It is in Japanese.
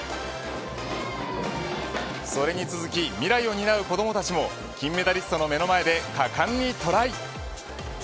それに続き未来を担う子どもたちも金メダリストの目の前で果敢にトライ。